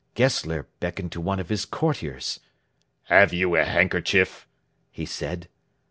Gessler beckoned to one of his courtiers. "Have you a handkerchief?" he said.